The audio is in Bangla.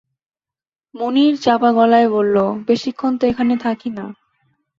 মুনির চাপা গলায় বলল, বেশিক্ষণ তো এখানে থাকি না।